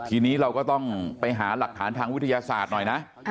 ทีนี้เราก็ต้องไปหาหลักฐานทางวิทยาศาสตร์หน่อยนะ